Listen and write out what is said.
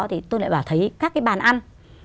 thì tôi lại bảo thấy các cái bàn ăn